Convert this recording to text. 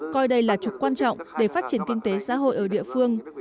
coi đây là trục quan trọng để phát triển kinh tế xã hội ở địa phương